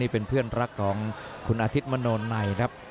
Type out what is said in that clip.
เป็นเพื่อนรักของคุณอาทิตย์มโนในครับ